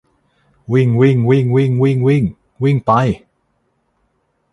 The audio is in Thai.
วิ่งวิ่งวิ่งวิ่งวิ่งวิ่ง วิ่งไป